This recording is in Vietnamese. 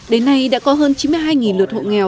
đến nay đã có hơn chín mươi hai lượt hộ nghèo